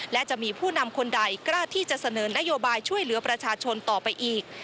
และจะมีผู้นำคนใดกล้าที่จะเสนอนโยบายช่วยเหลือประชาชนต่อไปอีก